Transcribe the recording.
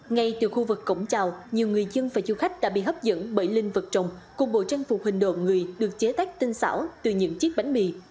ngay từ khu vực cổng trào nhiều người dân và du khách đã bị hấp dẫn bởi linh vật rồng cùng bộ trang phục hình đồ người được chế tác tinh xảo từ những chiếc bánh mì